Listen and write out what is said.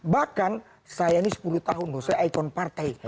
bahkan saya ini sepuluh tahun loh saya ikon partai